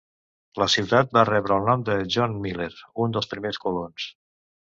La ciutat va rebre el nom de John Miller, un dels primers colons.